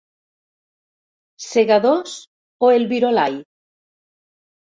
Segadors" o el "Virolai"?